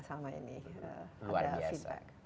sama ini luar biasa